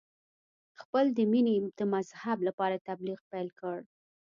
خپل د مینې د مذهب لپاره تبلیغ پیل کړ.